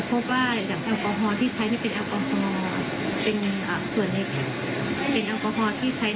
อุปกรณ์การล็อตติ้งตลอดจนหมึกที่ใช้เป็นหมึกของตลาดชาติค่ะ